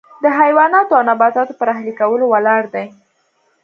د حیواناتو او نباتاتو پر اهلي کولو ولاړ دی.